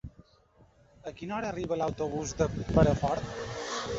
A quina hora arriba l'autobús de Perafort?